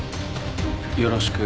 よろしく。